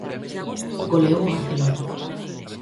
Goleou o Barcelona.